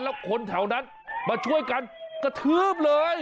แล้วคนแถวนั้นมาช่วยกันกระทืบเลย